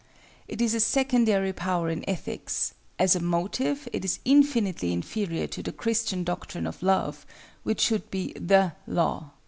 It is a secondary power in ethics; as a motive it is infinitely inferior to the Christian doctrine of love, which should be the law.